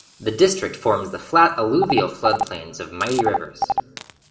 The district forms the flat alluvial flood plains of mighty rivers.